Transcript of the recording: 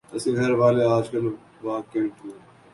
اس کے گھر والے آجکل واہ کینٹ میں